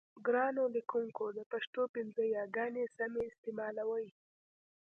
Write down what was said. ګرانو لیکوونکو د پښتو پنځه یاګانې سمې استعمالوئ.